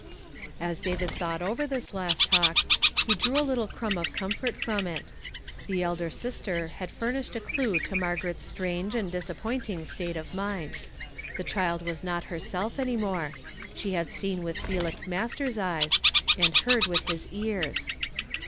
As David thought over this last talk, he drew a little crumb of comfort from it. The elder sis ter had furnished a clew to Margaret's strange and disapi)ointing state of mind. The child was not herself any more. She had seen with Felix Mas ters's eyes, and heard with his ears.